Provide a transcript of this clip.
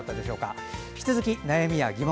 引き続き悩みや疑問